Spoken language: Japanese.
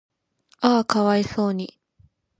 嗚呼可哀想に